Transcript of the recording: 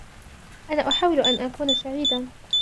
أنا أحاول أن أكون سعيدا.